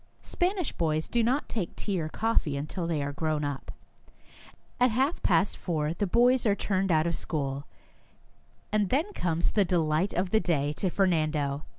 Spanish boys do not take tea or coffee until they are grown up. At half past four the boys are turned out of school, and then comes 12 Our Little Spanish Cousin the delight of the day to Fernando.